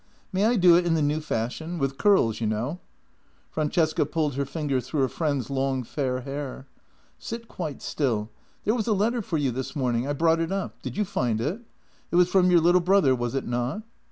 May I do it in the new fashion? — with curls, you know." Fran cesca pulled her fingers through her friend's long, fair hair. " Sit quite still. There was a letter for you this morning. I brought it up. Did you find it? It was from your little brother, was it not?